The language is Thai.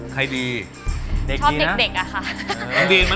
ใครดีเด็กชอบเด็กอะค่ะ